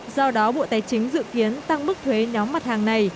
do đó bộ tài chính dự kiến tăng mức thuế nhóm mặt hàng này